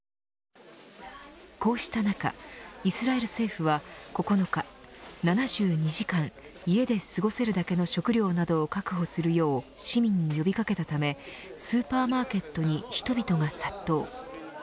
こうした中イスラエル政府は９日７２時間家で過ごせるだけの食料などを確保するよう市民に呼び掛けたためスーパーマーケットに人々が殺到。